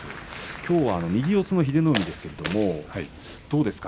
きょうは右四つの英乃海ですけれども、どうですか？